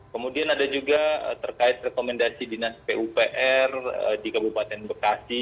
kemudian ada juga terkait rekomendasi dinas pupr di kabupaten bekasi